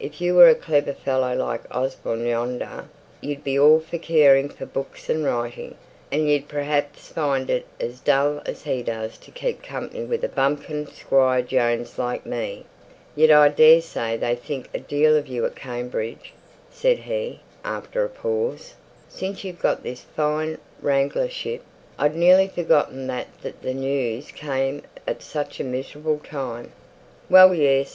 If you were a clever fellow like Osborne yonder, you'd be all for caring for books and writing, and you'd perhaps find it as dull as he does to keep company with a bumpkin squire Jones like me. Yet, I daresay, they think a deal of you at Cambridge," said he, after a pause, "since you've got this fine wranglership; I'd nearly forgotten that the news came at such a miserable time." "Well, yes!